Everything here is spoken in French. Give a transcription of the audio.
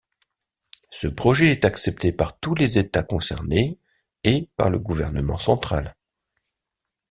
Ce projet est accepté par tous les États concernés et par le Gouvernement central.